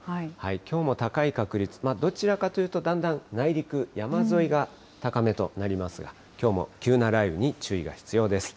きょうも高い確率、どちらかというと、だんだん内陸、山沿いが高めとなりますが、きょうも急な雷雨に注意が必要です。